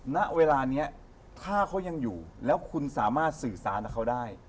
ณเวลานี้ถ้าเขายังอยู่แล้วคุณสามารถสื่อสารกับเขาได้